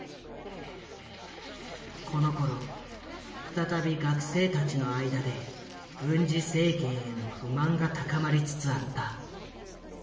このころ再び学生たちの間で軍事政権への不満が高まりつつあった。